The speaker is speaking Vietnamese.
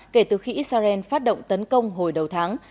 kể từ khi israel phát động tấn công hồi đầu tháng